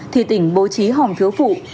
thì tỉnh bố trí hòm phiếu phụ